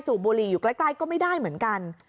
บุรีอยู่ใกล้ก็ไม่ได้เหมือนกัน